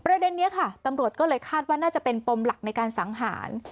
ประเด็นนี้ค่ะตำรวจก็เลยคาดว่าน่าจะเป็นปมหลักในการสังหาร